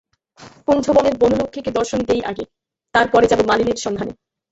কুঞ্জবনের বনলক্ষ্মীকে দর্শনী দিই আগে, তার পরে যাব মালিনীর সন্ধানে।